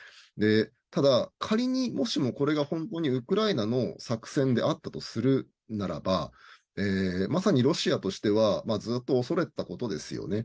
ただ、仮にもしもこれが本当にウクライナの作戦であったとするならばまさにロシアとしてはずっと恐れてたことですよね。